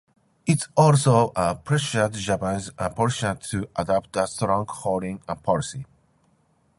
It also pressured Japanese politicians to adopt a strong foreign policy.